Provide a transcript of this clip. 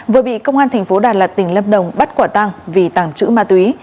vừa bị công an thành phố đà lạt tỉnh lâm đồng bắt quả tăng vì tàng trữ ma túy